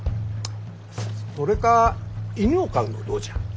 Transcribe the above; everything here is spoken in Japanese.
それか犬を飼うのはどうじゃ？